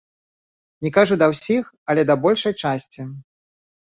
Не кажу да ўсіх, але да большай часці.